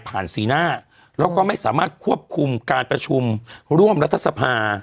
สีหน้าแล้วก็ไม่สามารถควบคุมการประชุมร่วมรัฐสภา